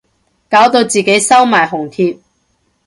搞到自己收埋紅帖